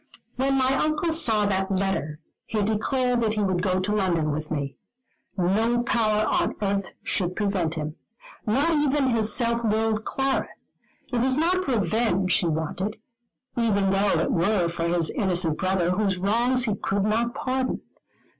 When my Uncle saw that letter, he declared that he would go to London with me. No power on earth should prevent him. Not even his self willed Clara. It was not revenge he wanted: even though it were for his innocent brother, whose wrongs he could not pardon.